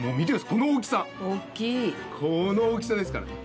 この大きさですからね。